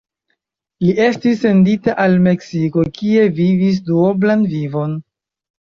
Li estis sendita al Meksiko, kie vivis duoblan vivon.